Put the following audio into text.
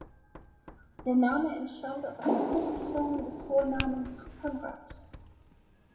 Der Name entstand aus einer Kurzform des Vornamens Konrad.